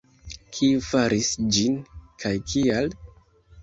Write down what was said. Kiu faris ĝin, kaj kial?